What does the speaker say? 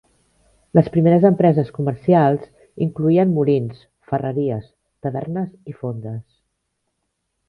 Les primeres empreses comercials incloïen molins, ferreries, tavernes i fondes.